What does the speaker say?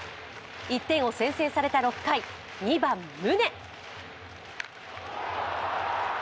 １点を先制された６回２番・宗。